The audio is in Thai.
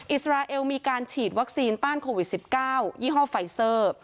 อิสราเอลมีการฉีดวัคซีนต้านโควิด๑๙ยี่ห้อไฟเซอร์